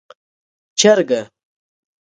🐔 چرګه